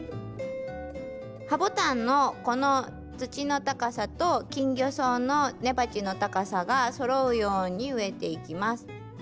ハボタンのこの土の高さとキンギョソウの根鉢の高さがそろうように植えていきます。